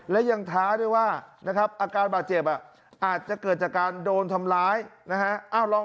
และยังท้าด้วยว่านะครับอาการบาดเจ็บอาจจะเกิดจากการโดนทำร้ายนะฮะ